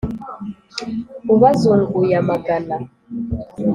ubazunguye amagana.